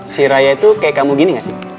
si raya itu kayak kamu gini gak sih